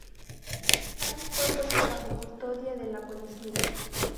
Hall fue puesta bajo custodia de la policía.